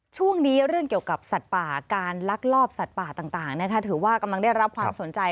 ช่วงนี้เรื่องเกี่ยวกับสัตว์ป่าการลักลอบสัตว์ป่าต่างนะคะถือว่ากำลังได้รับความสนใจ